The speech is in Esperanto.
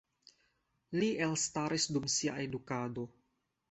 Li elstaris dum sia edukado.